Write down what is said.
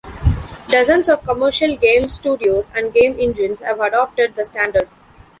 Dozens of commercial game studios and game engines have adopted the standard.